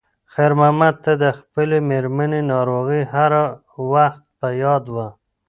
خیر محمد ته د خپلې مېرمنې ناروغي هر وخت په یاد وه.